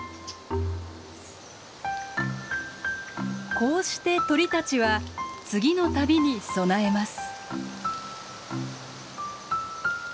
こうして鳥たちは次の旅に備えます。